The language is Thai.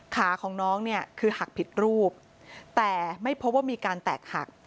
ขาของน้องเนี่ยคือหักผิดรูปแต่ไม่พบว่ามีการแตกหัก